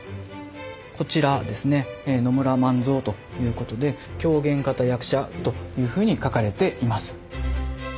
こちらですね野村万蔵ということで「狂言方役者」というふうに書かれています。